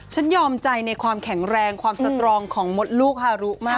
ยอมใจในความแข็งแรงความสตรองของมดลูกฮารุมาก